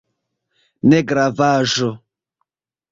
Ne gravaĵo!